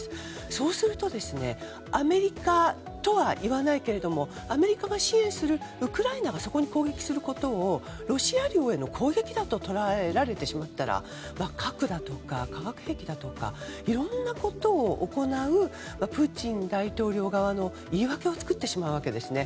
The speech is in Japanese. そうするとアメリカとは言わないけれどもアメリカが支援するウクライナがそこに攻撃することをロシア領への攻撃だと捉えられてしまったら核だとか化学兵器だとかいろいろなことを行うプーチン大統領側の言い訳を作ってしまうわけです。